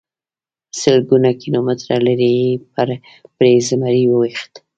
سلګونه کیلومتره لرې یې پرې زمری وويشت.